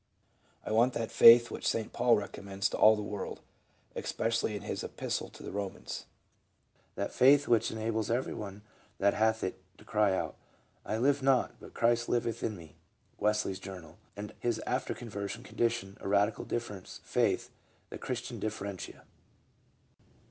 ... I want that faith which St. Paul recommends to all the world, especially in his epistle to the Romans : that faith which enables everyone that hath it to cry out, ' I live not, but Christ liveth in me' " (Wes ley's Journal) — and his after conversion condition, a radical difference, faith, the Christian differentia.